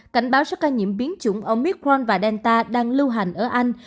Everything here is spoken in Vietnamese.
cảnh báo cho ca nhiễm biến chủng omicron và delta đang lưu hành ở anh